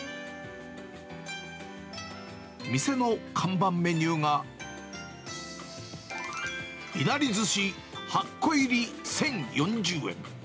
店の看板メニューが、いなり寿司８個入り１０４０円。